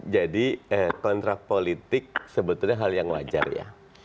jadi kontrak politik sebetulnya hal yang wajar ya